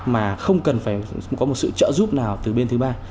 mà không cần phải có một sự trợ giúp nào từ bên thứ ba